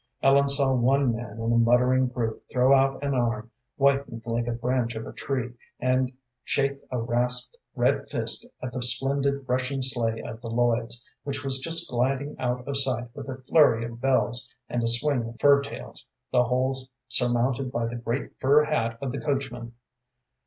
Ellen saw one man in a muttering group throw out an arm, whitened like a branch of a tree, and shake a rasped, red fist at the splendid Russian sleigh of the Lloyd's, which was just gliding out of sight with a flurry of bells and a swing of fur tails, the whole surmounted by the great fur hat of the coachman.